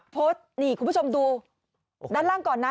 โพสต์นี่คุณผู้ชมดูด้านล่างก่อนนะ